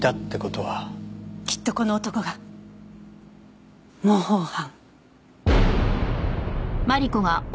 きっとこの男が模倣犯。